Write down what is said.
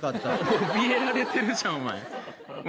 おびえられてるじゃん、お前。